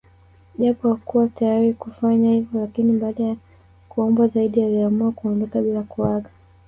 Japo hakuwa tayari kufanya hivyo lakini baada ya kuombwa zaidi aliamua kuondoka bila kuaga